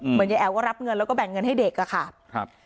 เหมือนยายแอ๋วก็รับเงินแล้วก็แบ่งเงินให้เด็กล่ะค่ะ